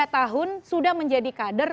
lima tahun sudah menjadi kader